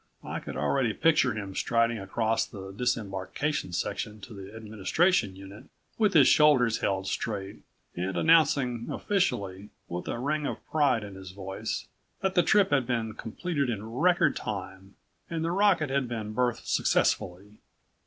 I could already picture him striding across the disembarkation section to the Administration Unit with his shoulders held straight, and announcing officially, with a ring of pride in his voice, that the trip had been completed in record time, and the rocket had been berthed successfully.